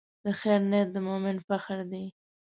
د خیر نیت د مؤمن فخر دی.